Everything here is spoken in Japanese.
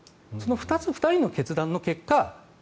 その２人の決断の結果